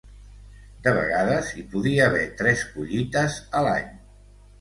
De vegades, hi podia haver tres collites a l'any.